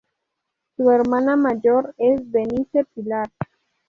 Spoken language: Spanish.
Su hermana mayor es Denise Pillar.